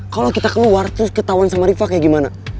kalau kita keluar terus ketahuan sama rifa kayak gimana